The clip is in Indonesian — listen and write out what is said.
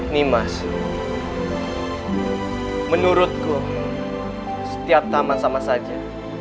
nih mas menurutku setiap taman sama saja